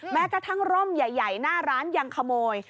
แม้กระทั่งร่มใหญ่หน้าร้านยังขโมย